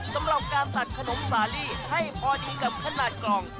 สำหรับการตัดขนมสาลีให้พอดีกับขนาดกล่อง